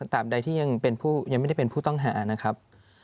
ตามใดที่ยังไม่ได้เป็นผู้ต้องหานะครับ